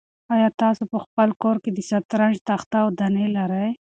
آیا تاسو په خپل کور کې د شطرنج تخته او دانې لرئ؟